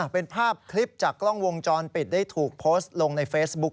เป็นภาพคลิปจากกล้องวงจรปิดได้ถูกโพสต์ลงในเฟซบุ๊ค